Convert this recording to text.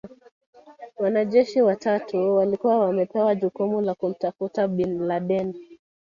Wanajeshi watatu walikuwa wamepewa jukumu la kumtafuta Bin Laden